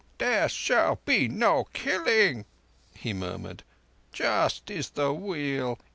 "There shall be no killing," he murmured. "Just is the Wheel!